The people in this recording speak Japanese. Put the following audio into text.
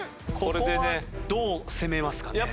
ここはどう攻めますかね？